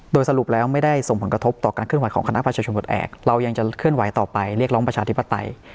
โดยสรุปแล้วไม่ได้ส่งผลกระทบต่อการเคลื่อนของคณะประชาชนปลดแอบเรายังจะเคลื่อนไหวต่อไปเรียกร้องประชาธิปไตย